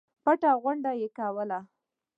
پټې غونډې کولې.